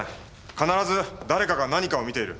必ず誰かが何かを見ている。